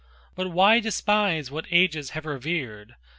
But why despise what ages have revered?